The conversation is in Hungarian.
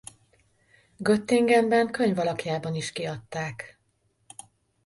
Göttingenben könyv alakjában is kiadták.